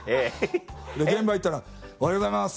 現場行ったらおはようございます